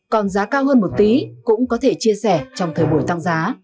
còn giá cao hơn một tí cũng có thể chia sẻ trong thời buổi tăng giá